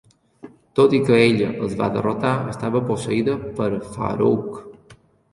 Tot i que ella els va derrotar, estava posseïda per Farouk.